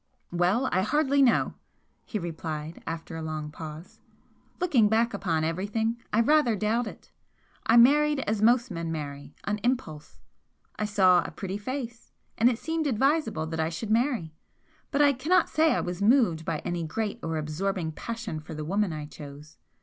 "Well, I hardly know," he replied, after a long pause, "Looking back upon everything, I rather doubt it! I married as most men marry on impulse. I saw a pretty face and it seemed advisable that I should marry but I cannot say I was moved by any great or absorbing passion for the woman I chose.